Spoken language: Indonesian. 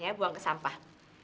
ya buang ke sampah